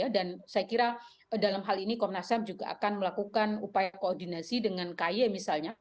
dan saya kira dalam hal ini komnas ham juga akan melakukan upaya koordinasi dengan kaye misalnya